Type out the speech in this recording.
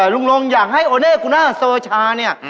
ลุงรงค์อยากให้โอเละกู้หน้าโซชานี่